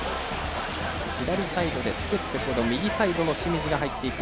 左サイドで作って右サイドの清水が入っていく。